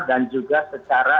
dan juga secara